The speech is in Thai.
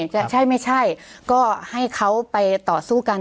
จะใช่ไม่ใช่ก็ให้เขาไปต่อสู้กัน